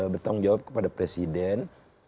bertanggung jawab kepada presiden